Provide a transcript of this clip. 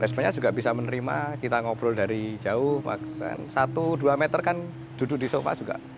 responnya juga bisa menerima kita ngobrol dari jauh satu dua meter kan duduk di sofa juga